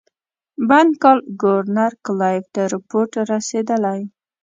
بنکال ګورنر کلایف ته رپوټ رسېدلی.